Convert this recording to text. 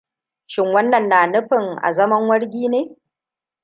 Shin wannan na nufin a zaman wargi ne?